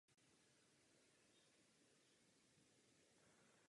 Fanka nese vodu, Mimi rum.